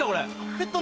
ペット？